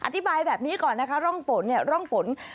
อธิบายแบบนี้ก่อนนะคะร่องฝนเนี่ยร่องฝน